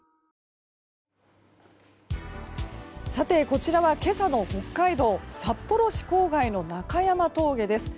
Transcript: こちらは今朝の北海道札幌市郊外の中山峠です。